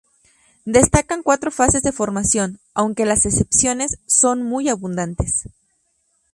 Destacan cuatro fases de formación, aunque las excepciones son muy abundantes.